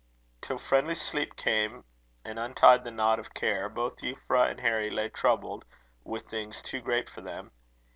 Till friendly sleep came, and untied the knot of care, both Euphra and Harry lay troubled with things too great for them.